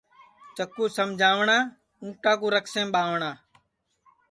چکُو سمجاوٹؔا اُنٚٹا کُو رکسیم ٻاوٹؔا